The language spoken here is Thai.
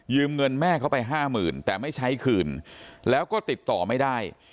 ยืมเงินแม่เขาไป๕๐๐๐๐บาทแต่ไม่ใช้คืนแล้วก็ติดต่อไม่ได้